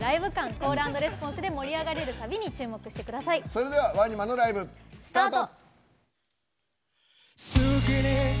それではＷＡＮＩＭＡのライブ、スタート。